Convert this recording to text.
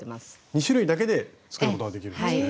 ２種類だけで作ることができるんですね。